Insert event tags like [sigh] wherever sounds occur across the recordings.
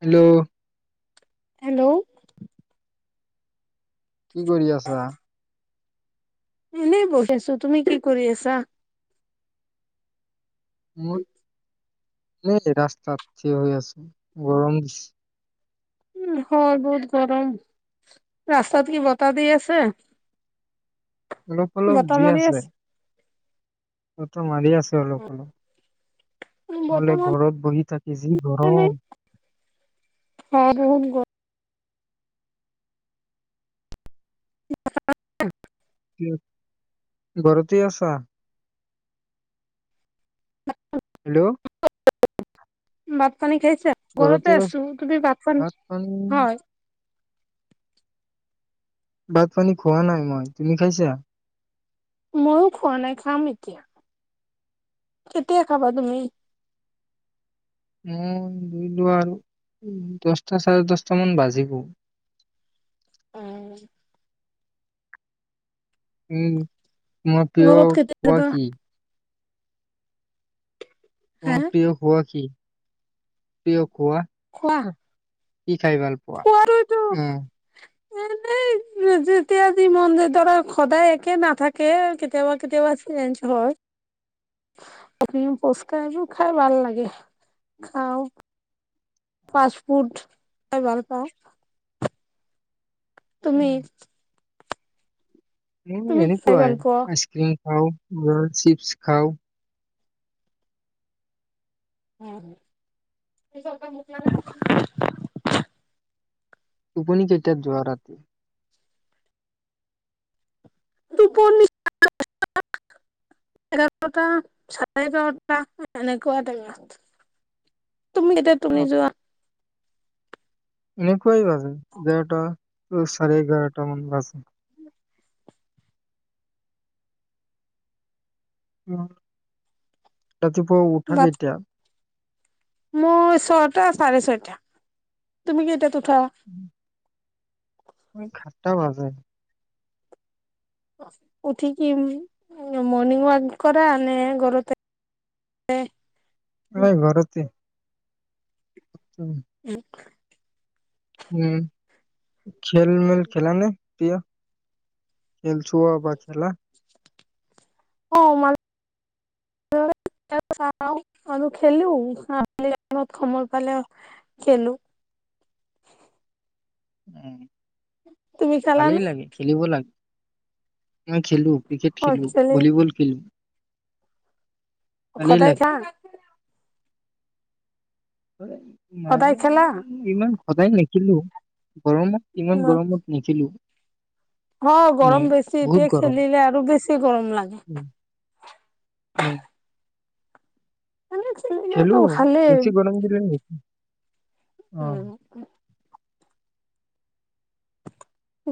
Hello hello কি কৰি আছা? এনেই বহি আছোঁ, তুমি কি কৰি আছা? মোৰ এই জেগা ৰাস্তাত থিয় হৈ আছোঁ গৰম দিছে। উম, হয় বহুত গৰম ৰাস্তাত কি বতাহ দি আছে? অলপ অলপ বতাহ দি মাৰি আছে। বতাহ মাৰি আছে। চলোঁ অলপ বতাহ নহ'লে মাৰি ঘৰত বহি থাকি যি গৰম। অহ' বহুত গৰম [unintelligible] কিয় ঘৰতে আছা? হেল্ল' [unintelligible] ভাত পানী খাইছোঁ? এই ঘৰতে আছোঁ। তুমি ভাতপানী ভাত পানী হয়। ভাত পানী খোৱা নাই মই তুমি খাইছা? মইয়ো খোৱা নাই, খাম এতিয়া। কেতিয়া খাবা তুমি? মই ধৰি লোৱা আৰু দচটা, চাৰে দচটা মান বাজিব। অ! উম! ফ ঘৰত কেতিয়া পোৱা যাবা কি [inaudible] হা তোমাৰ প্ৰিয় হোৱা কি? প্ৰিয় কোৱা। কোৱা। কি খাই ভাল পোৱা? উম! এনেই, যেতিয়া যি মন যায় ধৰা সদায় একে নাথাকে। কেতিয়াবা, কেতিয়াবা চেঞ্জ হয়। ফুচকাবোৰ খাই ভাল লাগে, খাও। ফাষ্ট ফুড খাই ভাল পাওঁ। তুমি? উ! তুমি কি খাই ভাল এনেকুৱাই, পোৱা? আইছক্ৰিম। খাও, মই চিপছ খাও। উ [inaudible] টোপনি কেইটাত যোৱা ৰাতি? টোপনি! এঘাৰটা, চাৰে এঘাৰটা এনেকুৱা টে আৰু। তুমিকেইটাত অ, টোপনি যোৱা? নি [inaudible] [inaudible] চাৰে এঘাৰটা মান বাজে। ম [inaudible] ৰাতিপুৱা উঠা কেতিয়া? মোৰ ছয়টা, চাৰে ছয়টা। তুমি কেইটা উঠা? মই সাতটা বাজে। উঠি কি মৰ্নিং ৱাক কৰা? নে ঘৰতেই নাই ঘৰতে। আত্ছা। উম! নাই খেল-নেল খেলা নে? এতিয়া খেল চোৱা বা খেলা? অ! মানে আৰু খেলো, সময় পালে খেলো। উম! তুমি ভালেই খেলানে লাগে, খেলিব লাগে। মই খেলো, ক্ৰিকেট অ খেলো, খেলি ভলিবল খেলো। ভালেই সদায় লাগে। খায়। সদায় মাজে, খেলা ইমান সদায় নেকি? খেলো। গৰমত, ইমান গৰমত নেখেলো। হয়, মানে গৰম বেছি বহুত এতিয়া গৰম। খেলিলে আৰু বেছি গৰম লাগে। অ! এনে খেলো, খেলিলেতো ভালেই বেছি গৰম দিলে নেখেলো। উম!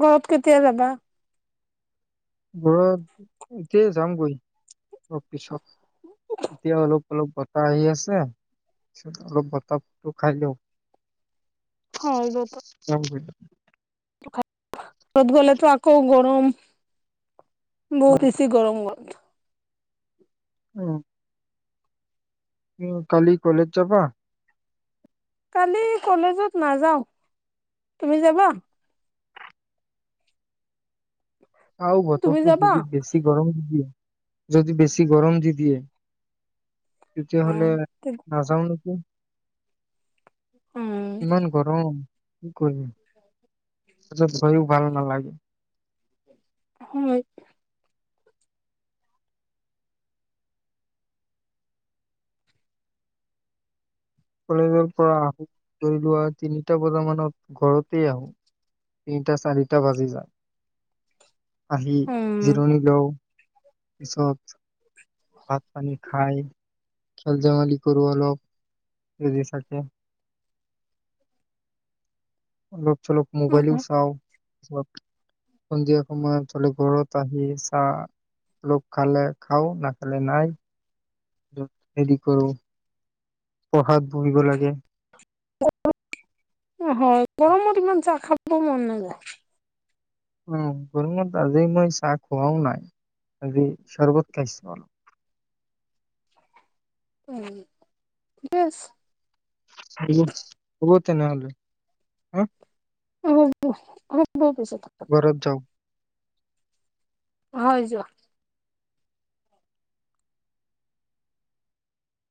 ঘৰত কেতিয়া যাবা? ঘৰত এতিয়াই যামগৈ অলপ পিছত। এতিয়া অলপ, অলপ বতাহ আহি আছে, পিছত অলপ বতাহটো খাই লও। হয়। ৰ'দত ঘৰত গ'লেতো আকৌ গৰম। উম, বহুত বেছি গৰম হোৱাত অ! কালি কলেজ যাবা? কালি কলেজত নাযাওঁ। তুমি যাবা? চাও তুমি বতৰটো যাবা যদি বেছি গৰম নিদিয়ে। যদি বেছি গৰম দি দিয়ে উম তেতিয়াহলে, নাযাও নেকি। উম ইমান গৰম। কি কৰিম কলেজত গৈও ভাল নালাগে। হয়। কলেজৰ পৰা আহোঁ, ধৰি লোৱা তিনিটা বজা মানত ঘৰতেই আহোঁ তিনিটা, চাৰিটা বাজি যায়। আহি উম জিৰণি লও। পিছত ভাত পানী খায় খেল ধেমালি কৰো অলপ, যদি থাকে। অলপ চলপ মোবাইলো চাওঁ। [unintelligible] সন্ধিয়া সময়ত হলে ঘৰত গাখীৰ চাহ অলপ খালে খাওঁ, নাখালে নাই। হেৰি কৰো। পঢ়াত বহিব লাগে। হয় গৰমত ইমান চাহ খাব মন নাযায়। উম- গৰমত আজি মই চাহ খোৱাাও নাই আজি চৰবত খাইছো মই। উম- বছ [unintelligible] হব তেনেহলে, হা? অ অ- বহ পিছা থাক [unintelligible] ঘৰত যাওঁ হয় যোৱা।